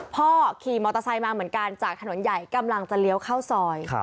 ขี่มอเตอร์ไซค์มาเหมือนกันจากถนนใหญ่กำลังจะเลี้ยวเข้าซอย